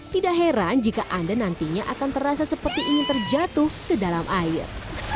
tidak heran jika anda nantinya akan terasa seperti ingin terjatuh ke dalam air